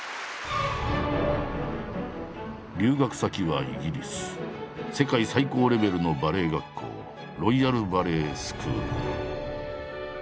留学先はイギリス世界最高レベルのバレエ学校ロイヤル・バレエスクール。